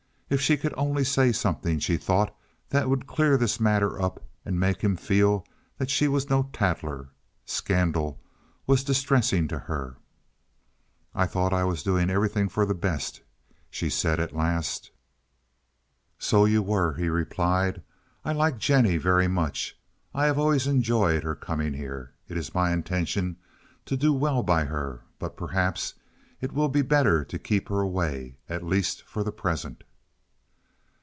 If she could only say something, she thought, that would clear this matter up and make him feel that she was no tattler. Scandal was distressing to her. "I thought I was doing everything for the best," she said at last. "So you were," he replied. "I like Jennie very much. I have always enjoyed her coming here. It is my intention to do well by her, but perhaps it will be better to keep her away, at least for the present."